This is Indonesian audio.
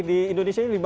di indonesia ini di mana